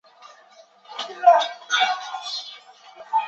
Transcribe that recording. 许多作品在广播电台播出。